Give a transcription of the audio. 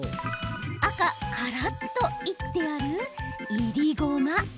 赤・からっといってあるいりごま。